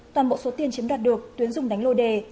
toàn bộ số tiền chiếm đoạt được tuyến dùng đánh lô đề